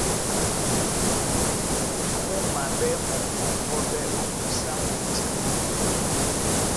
Mú maɓɛ́ ndé mú pɔŋgɔ́ɓɛ́ ómbúsá mundi.